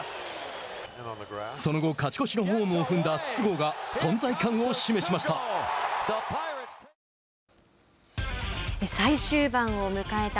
その後、勝ち越しのホームを踏んだ筒香が存在感を示しました。